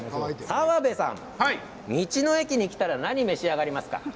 澤部さん、道の駅に来たら何を召し上がりますか？